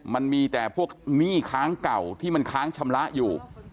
มันมีแต่พวกหนี้ค้างเก่าที่มันค้างชำระอยู่